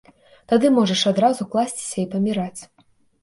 Тады можаш адразу класціся і паміраць.